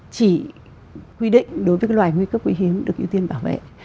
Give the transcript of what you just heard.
chỉ quy định đối với cái loài nguy cấp quý hiếm được ưu tiên bảo vệ